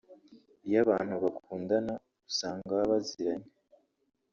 Iyo abantu bakundana usanga baba baziranye